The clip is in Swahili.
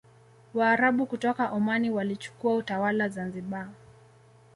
Waarabu kutoka Omani walichukua utawala Zanzibar